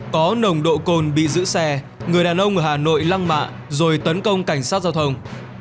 có nồng độ cồn bị giữ xe người đàn ông ở hà nội lăng mạ rồi tấn công cảnh sát giao thông